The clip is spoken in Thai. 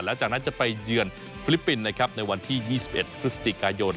หลังจากนั้นจะไปเยือนฟิลิปปินส์นะครับในวันที่๒๑พฤศจิกายน